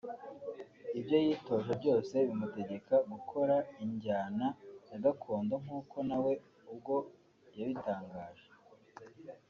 ibyo yitoje byose bimutegeka gukora injyana ya gakondo nk'uko nawe ubwo yabitangaje